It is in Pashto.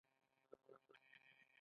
هغه د خلکو پوهاوی دی.